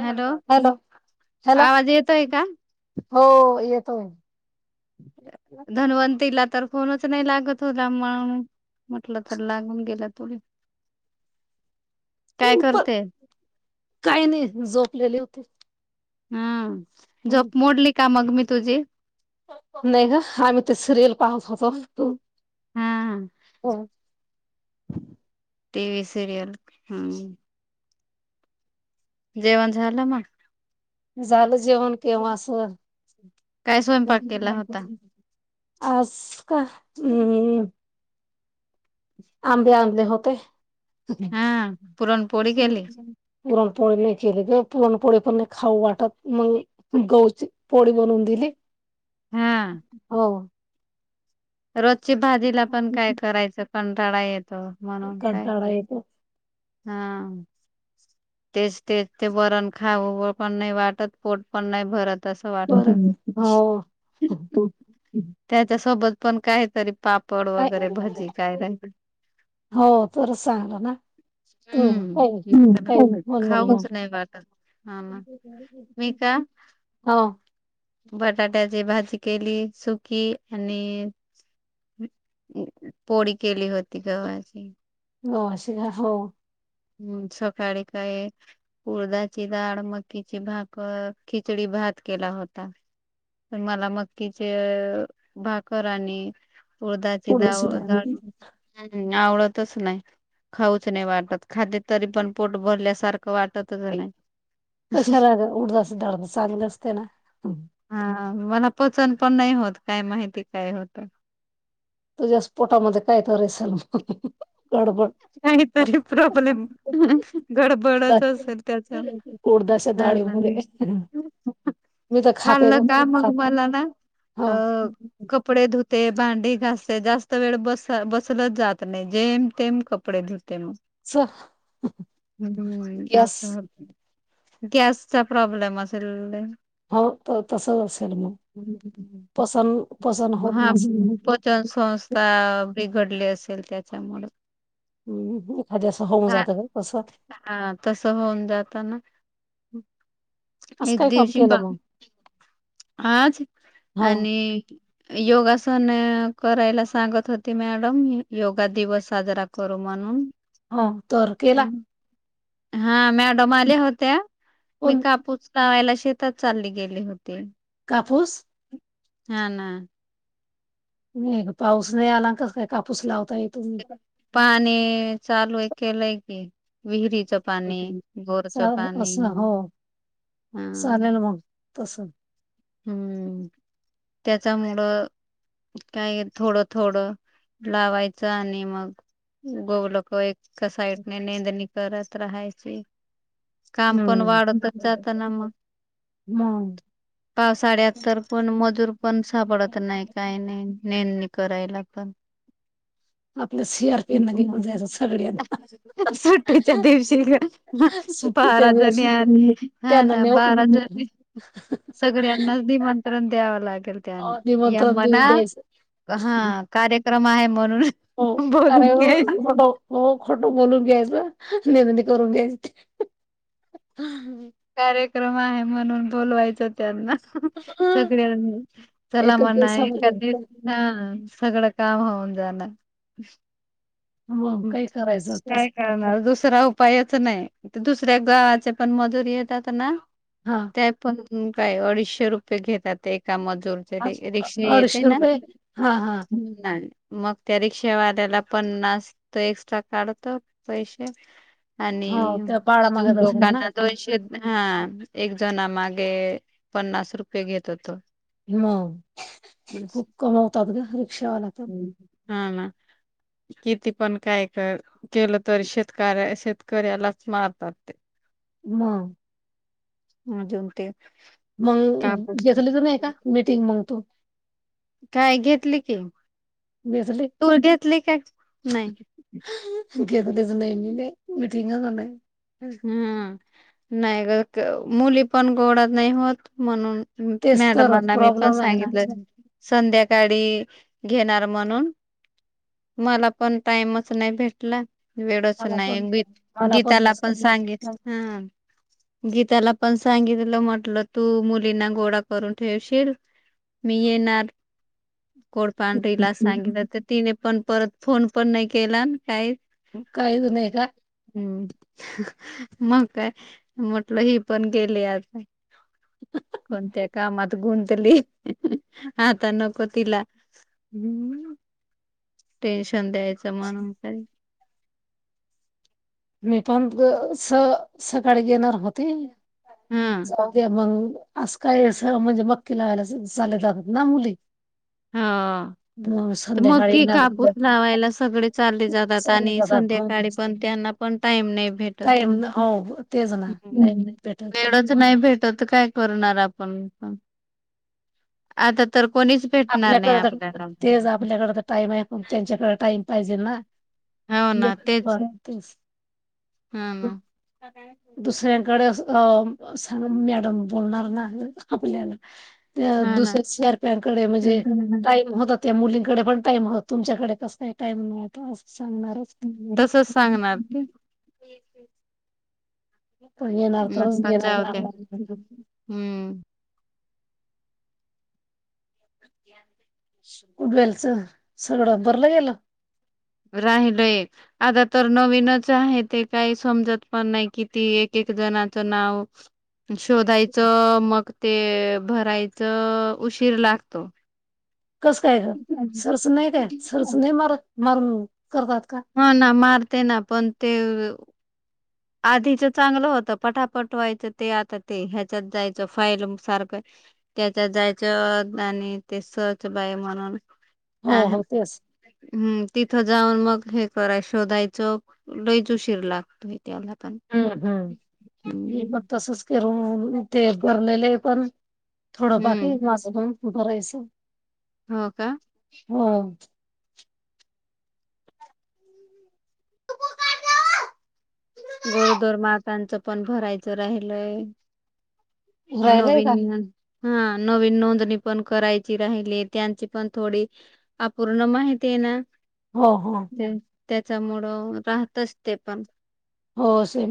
Hello hello आवाज येतोय का? हो येतोय धनवंतीला तरर फोनच नाही लागत होता म्हण म्हटलं तर लागून गेला तथोडी प काही नाही झोपलेले होते हम् जप मोडली का मग मी तुझी नाही ग आम्ही ते सिरियल पाहत होतो तू हा हम टीव्ही सिरियल हम् जेवण झालं मग झालं जेवण केव्हा अस काय स्वयंपाक केला होता? आज का हम् आंबे आणले होते हा पुरणपोळी केली पुरणपोळी नाही केली गं.. पुरणपोळी पण नाही खाऊ वाटत मग गवची पोळी बनवून दिली हा हो रोजची भाजीला पण काय करायचं कंटाळा येतो म्हणून काय कंटाळा येतो. हा तेच तेच ते बरण खाऊ पण नाही वाटत पोट पण नाही भरत त वाटत हो त्याच्या सोबत पण काहीतरी पापड वगैरे भजी काय राहि हो तच चांगलं ना तु काही काही हम्म बोल ह खाऊच नाही वाटत. हा ना मी का हा बटाट्याची भाजी केली सुकी आणि [inaudible] पोळी केली होती गव्हाची. हो असशीला हो. हम्म, सकाळी काय उडदाची डाळ, मकीची भाकर, खिचडी भात केला होता. तर मला मकीचे अ भाकर आणि उडदाची डाव आवडतच नाही. खाऊच नाही वाटत. खाल्ली तरी पण पोट भरल्यासारखं वाटतच नाही. कशाला अगं उडदाचे दाल चांगलं असते ना. हम्म. हा हा मला पचन पण नाही होत. काय माहिती काय होत? तुझ्याच पोटामध्ये काय तरी असल [inaudible] गडबड. का तरी प्रॉब्लेम गडबडच असेल त्याच्या. [inaudible] होउदे. [unintelligible] [inaudible] हाललं का मग मला ना हो अ कपडे धुते भांडी घासते. जास्त वेळ बस-बसल जात नाही जेम-तेम कपडे धुते मग च [inaudible] हम गॅस असं होत. गॅसचा प्रॉब्लेम असेल. हो त तसच असेल मग. पसन पसन होत हा नसेल पचन संस्था घडले असेल त्याच्यामुळ. एखाद्यास होऊन [inaudible] हा जातं ग तसं [inaudible] हा तस होऊन जातना. [inaudible] असं एक काय काम दिवशी केलं का मग आज हो आणि योगासन करायला सांगत होते मॅडम योगा दिवस साजरा करू म्हणून हा. तर केला? हा मॅडम आल्या होत्या मी पण कापुस लावायला शी शेतात चालली गेली होती. कापूस हा ना. नाही गं पाऊस नाही आला कस हाय कापूस लाव पाणी चालू आहे केलंय की विहिर च पाणी, बोरच पाणी असं हो चालेल हम. मग तस. हम्म त्याच्यामुळ काय थोडं थोडं लावायचं आणि मग उगवलं क एक कसायटने नेंदणी करत राहायची. काम पण हम्म वाढून तरच मग जातना मग [inaudible] पावसाळ्यात तर पण मजूर पण सापडत नाही काय नाही? नेंदनी करायला पण. [inaudible] आपल्या सीआरपीना घेऊन जायचं सगळ्यांना सुट्टीच्या दिवशी गं. सुट्टीच्या बाराजणी दिवशी आणि हा त्यांना ना नेऊ बाराजणी. [inaudible] सगळ्यांनाच निमंत्रण द्यावं लागेल त्यांना या निमंत्रण देऊन म्हना? द्यायचं हा कार्यक्रम आहे हो, म्हणून अरे बोलून हो घ्यायच. खोटो हो खोट बोलून घ्यायचं. नेंदनी करून घ्यायची. [inaudible] कार्यक्रम आहे म्हणून बोलवायचा त्यांना. सगळयांनी चला एकच म्हणायला का दिवसामध्ये ते [unintelligible] सगळंच. काम होऊन जाणार? [inaudible] मग काही करायचं काय तस करणार दुसरा उपायच नाही? ते दुसऱ्या गावाचे पण मजुरी येतात ना हा त्यात पण. ह काय अडीचशे रुपये घेतात एक काम जोरच्या आ- रिक्षा येते अडीचशे ना रुपये हा हा नाही. मग त्या रिक्षावाल्याला पन्नास त एक्स्ट्रा काढतो पैसे आणि हो त्या भाडा मागत असेल ना लोकांना दोनशे हा एक जना मागे पन्नास रुपये घेत होतो. हम्म हा खूप कमावतात ग रिक्षावाला तर कीती? पण काय कर केलं तरी शेतकऱ्या शेतकऱ्यालाच मारतात ते. [inaudible] हा जेवतेय. मग घेतली तर नाही का मीटिंग मंग तू? काय घेतली की? घेतली तु घेतली काय नाही. दिसने मीटिंग हम्म नाही ग मुली पण गोडत नाही होत म्हणून तेच तर मॅडमांना मी पण प्रॉब्लेम आहे ना सांगितलं संध्या गाडी घेणार म्हणून मला पण टाईमच नाही भेटला? वेळच मला पण नाही मला गीताला पण तसं सांगितल ह. गीताला पण सांगितलं म्हटलं तू मुलींना गोळा करून ठेवशील. मी येणार? कोड पांढरीला सांगितलं तर तिने पण परत फोन पण नाही केला काही कायद नाही का? हम्म मग काय म्हटल ही पण गेली आता. कोणत्या कामात गुंतली आता न कोतीला ह. टेन्शन द्यायचं म्हणून काही. मी पण प स सकाळी घेणार होते. हा जावूदे म्हणून आसंकाय अस म्हणजे मख्खी लागाल्या सारख चालत जातात ना मुली हा. मग तर मग संध्याकाळी की येणार कापूस होत्या. लावायला सगळे चालले जातात चालले आणि जातात संध्याकाळी मग पण त्यांना पण टाईम नाही भेटत टाईम न हो तेच ना टाईम नाही भेटत. वेळच नाही भेटत त. काय करनार आपण आता तर कोणीच भेटणार नाही आपल्याकडे तर आपल्याला. तेच आपल्याकडे तर टाईम आहे पण त्यांच्याकडे टाइम पाहिजे ना. हो हे ना [unintelligible] तेच पण तीस हा [unintelligible] ना. दुसऱ्यांकडे अस अ अस मॅडम बोलणार ना अ आपल्याला त्या हा ना. दुसऱ्या शअरप्यांकडे म्हणजे टाईम हो. ते त्या मुलींकडे पण टाम हो तुमच्याकडे कसय टाईम मिळतो अस. तसच सांगणार. पण येणार म तरच घेणार मजाव त्या ना हम्म. गुडवेलच सगळं भरलं गेलं. राहिलय आता तर नवीनच आहे ते काही समजत पण नाही किती एकेक दनात नाव शोधायचं मग ते भरायचं उशीर लागतो. कसं काय ग सरस नाही काय सरस नाही मारत मार हा ना मारते ना पण ते आधीच चांगलं होतं पटापट व्हायचं ते आता ते ह्याच्यात जायचं फाईल सारखं. त्याच्यात जायचं आणि ते सहच बाई म्हणून हो, अ हो तेच. हम्म तिथं जाऊन मग हे कराय शोधायचं लईचउशीर लागतो त्याला पण हम्म हम्म हम्म हे मग तसच करून इथे भरलेले आहे पण थोडं बाकी हम्म माझं पण भरायचं हो का हो गोरदोर मातांचं पण भरायचं राहिलय राहिलंय का? नवीनन हा नवीन नोंदणी पण करायची राहिली त्यांची पण थोडी अपूर्ण माहिती आहे ना हो हो त्या- त्याच्यामुळं राहतच ते पण हो से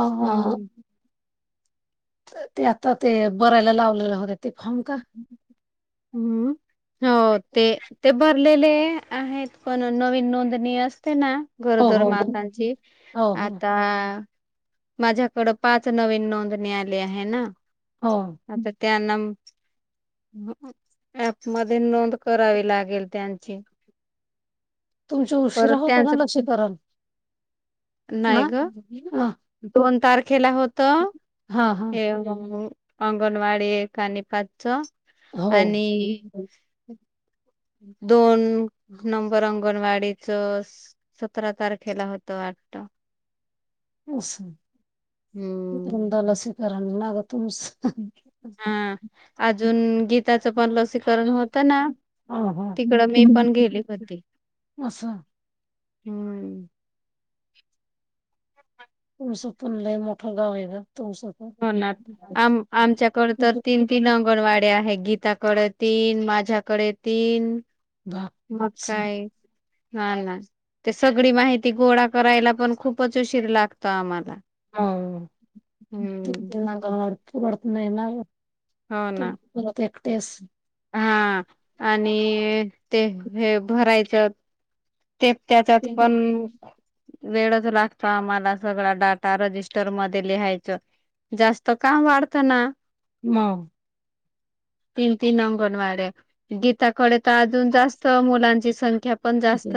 अं हम्म ते आता ते बरायला लावलेलं होत ते फम का हम्म हो ते ते भरलेले आहेत पण नवीन नोंदणी अस ते ना हो, गरोदर हो, हो, मातांची हो, हो. आता माझ्याकड पाच नवीन नोंदणी आली आहे ना हो आता त्यांना म अॅपमध्ये नोंद करावी लागेल त्यां छे तुमच उशीरा होतो का लशिकरण नाही ग दोन तार खेला होत हां, हां. हे अंगणवाडी कानिपातच हो, आणि दोन नंबर अंगणवाडीच सतरा तारखेला होतं वाटत [inaudible] अ हम्म. तुम दला स्वीकारण नाग तुम हा अजून गीत त्याचं पण लसीकरण होत ना हां, हां. तिकड मी पण गेली होती पास हम्म तळस पुनलाय मोठं गाव आहे ग तुमचं पण. हो आम आमच्याकड तर तीन तीन अंगणवाड्या आहेत गीताकडे तीन माझ्याकडे तीन बा मग काय हा ना ते सगळी माहिती गोळा करायला पण खूपच उशीर लागतो आम्हाला हम हम्म. अडप पत ना हो तु ना मत एकटेच हा आणि ते हे भरायच ते त्याच्यात पण वेळच लागतो आम्हाला सगळा डाटा रजिस्टर मध्ये लिहायचं जास्त काम वाढतं ना म तीन तीन अंगन वाडे गीता कळे अजून जास्त मुलांची संख्या पण जास्त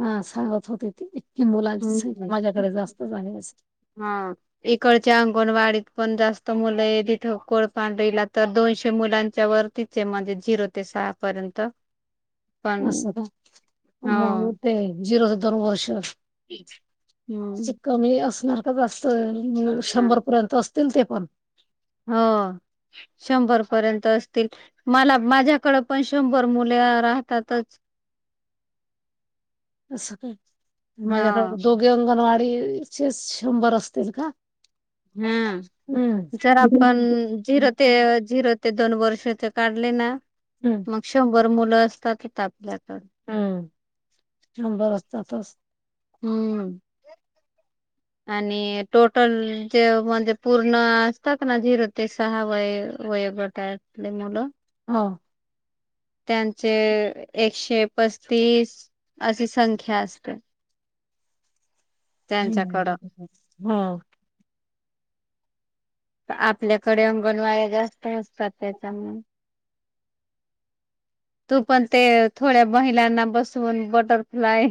हा सांगत होते ते इतकी मुलांची हम्म. संख्या माझ्याकडे जास्त झाली असते हा इकडच्या अंगणवाडीत पण जास्त मुलं आहे तिथं कोळपांढरीला तर दोन दोशे मुलांच्या वरतीचे म्हणज झिरो ते सहा पर्यंत पण असं का मग हो. ते जिरो ते दोन वर्ष हम्म कमी असणार का जास्त शंभर पर्यंत अस तलते पण हो शंभर पर्यंत असतील मला माझ्याकडे पण शंभर मुले राहतातच असं का हा माझ्याकडे दोघे अंगणवाडी ते शंभर असतील का? हम जरा पण हम्म झिरो ते झिरो ते दोन वर्षत काढले ना हं, मग शंभर मुलं असतात तापल्यात हम्म शंबर असतातच. हम्म आणि टोटल जे म्हणजे पूर्ण असतात ना झिरो ते सहा वय वयोगटतील मुलं हा त्यांचे एकशे पस्तीस अशी संख्या असते. त्यांच्याकडं हो आपल्याकडे अंगणवाड्या जास्त असतात. त्याच्यामुळे तू पण ते थोड्या महिलांना बसवून बटरफ्लाय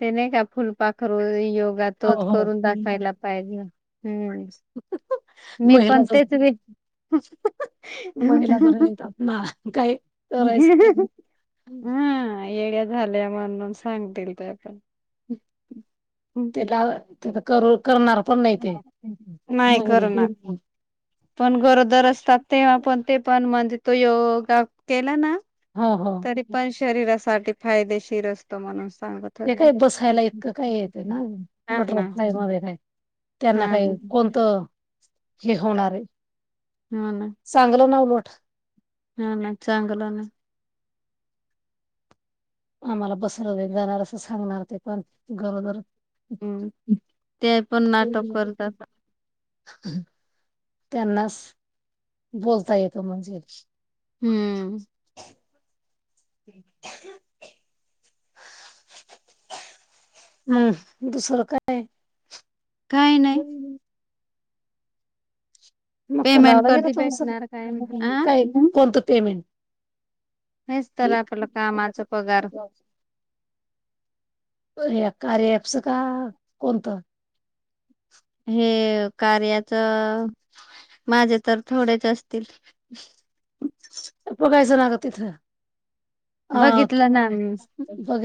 ते नाही का फुलपाखरू योगा हो, तोच हो. करून दाखवायला पाहिजे हम् मी महिला पण जर तेच र महिला जर येतात ना, काही [inaudible] करायचं हम येड्या झाल्या मग, म्हणून सांगतील का आपण त्याला त्या करून नाही महिला हो, करणार. पण गरोदर असतात तेव्हा पण ते पण म्हणजे तो योगा केला ना, हा हा शरीरासाठीठी फायदेशीर असतो माणूस. ते काय बसायला इतकं काय येते ना हा ना बटरफ्लाय मध्ये काय. त्यांना हा ना काही कोणत हे होणार आहे. हा ना चांगलं नावलोट. हा ना चांगलं ना. आम्हाला बसर वग जाणार असं सांगणार ते पण गरोदर. हम्म ते पण नाटक करतात. त्यांनाच बोलता येतो म्हणजे? हम्म. ह् हम् दुसरं काय? काय नाही. मग मग क ला पेमेंट वगैरे कधी भेटणार काय अ तुमच काय कोणतं पेमेंट! हेच तर हे आपलं कामाचा पगार. कार्य अँप का कोणतं? हे कार्याच. माझे तर थोडेच असतील. बागयच ना तीते इथं बघितलं ह बघ..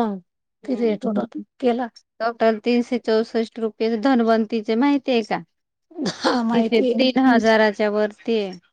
मग. किती हम्म टोटल केला टोटल तीनशे चौसष्ट रुपये! धनवंतीचे माहिती आहे का हा तिथ माहिती तीन हजाराच्या वरती.